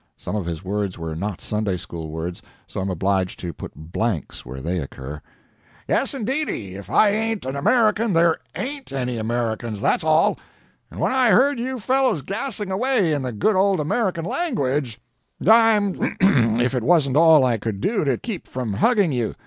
Some of his words were not Sunday school words, so I am obliged to put blanks where they occur. "Yes indeedy! If I ain't an American there AIN'T any Americans, that's all. And when I heard you fellows gassing away in the good old American language, I'm if it wasn't all I could do to keep from hugging you!